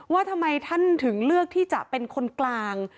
ว่าทำไมท่านถึงเลือกที่จะเป็นคนกลาง